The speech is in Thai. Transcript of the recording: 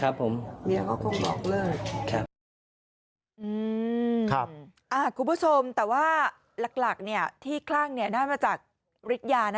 ครับของใครอ่ะครูผู้ชมแต่ว่าหลักเนี่ยที่ครั้งเนี่ยแน้นมาจากเรียน